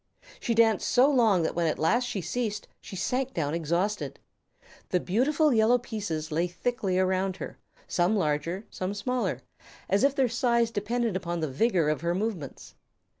She danced so long that when at last she ceased she sank down exhausted. The beautiful yellow pieces lay thickly around her, some larger, some smaller, as if their size depended upon the vigor of her movements.